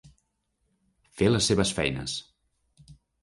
Fer les seves feines.